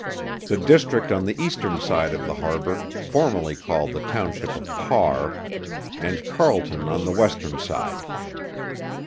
The district on the eastern side of the harbour, formerly called the township of Parr, and Carleton on the western side.